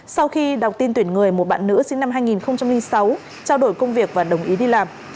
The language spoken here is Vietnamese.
sau khi đọc tin tuyển người một bạn nữ sinh năm hai nghìn sáu trao đổi công việc và đồng ý đi làm